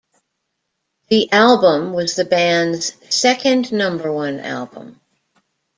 The album was the band's second number one album.